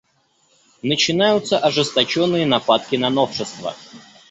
Начинаются ожесточенные нападки на новшества.